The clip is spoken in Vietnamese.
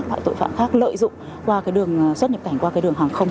các loại tội phạm khác lợi dụng qua đường xuất nhập cảnh qua đường hàng không